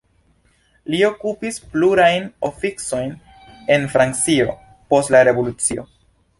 Li okupis plurajn oficojn en Francio, post la Revolucio.